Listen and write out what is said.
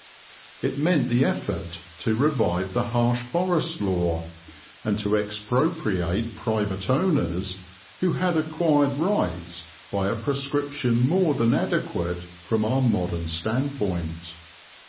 It meant the effort to revive the harsh Forest Law and to expropriate private owners who had acquired rights by a prescription more than adequate from our modern standpoint.